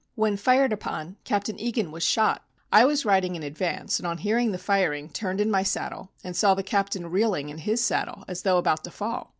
When fired upon Captain Egan was shot. I was riding in advance and on hearing the firing turned in my saddle and saw the Captain reeling in his saddle as though about to fall.